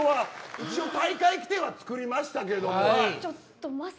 一応大会規定は作りましたけど。